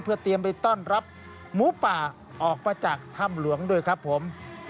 เพื่อเตรียมไปต้อนรับหมูป่าออกมาจากถ้ำหลวงด้วยครับผม